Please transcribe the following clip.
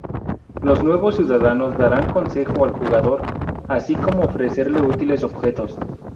Los nuevos ciudadanos darán consejo al jugador, así como ofrecerle útiles objetos.